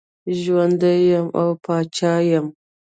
ژوندی یم او پاچا یم.